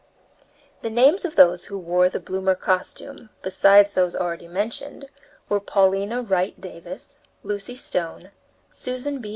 The names of those who wore the bloomer costume, besides those already mentioned, were Paulina Wright Davis, Lucy Stone, Susan B.